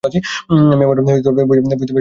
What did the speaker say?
আমি আমার বই শেষ করা নিয়ে একটু ব্যস্ত আছি।